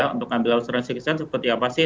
untuk ambil asuransi kesana seperti apa sih